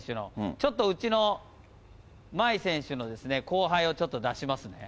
ちょっとうちの茉愛選手の後輩をちょっと出しますね。